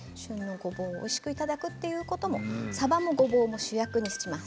ごぼうをおいしくいただくさばもごぼうも主役にします。